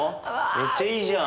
めっちゃいいじゃん！